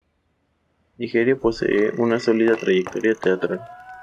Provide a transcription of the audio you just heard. Nigeria posee una sólida trayectoria teatral.